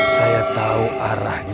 saya tahu arahnya